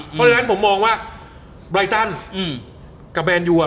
เพราะฉะนั้นผมมองว่าไรตันกับแนนยูอ่ะ